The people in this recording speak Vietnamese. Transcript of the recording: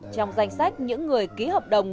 trong danh sách những người ký hợp đồng